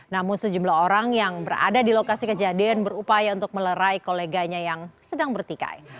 namun sejumlah orang yang berada di lokasi kejadian berupaya untuk melerai koleganya yang sedang bertikai